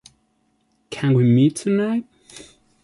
Can we meet tonight?